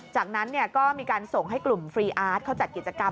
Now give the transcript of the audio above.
จากนั้นก็มีการส่งให้กลุ่มฟรีอาร์ตเขาจัดกิจกรรม